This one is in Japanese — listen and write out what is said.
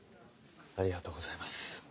ありがとうございます。